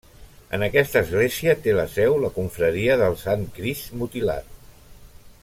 En aquesta església té la seu la Confraria del Santcrist Mutilat.